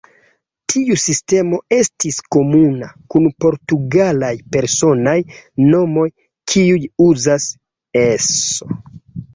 Tiu sistemo estis komuna kun portugalaj personaj nomoj, kiuj uzas "-es".